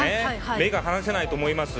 目が離せないと思います。